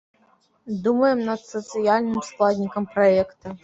Думаем над сацыяльным складнікам праекта.